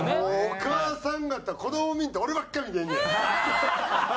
お母さん方子ども見んと俺ばっかり見てんねや。